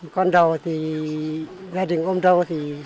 con đầu thì gia đình ông đầu